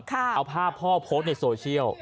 เอาภาพพ่อโพสต์ในโซเชียล